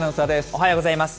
おはようございます。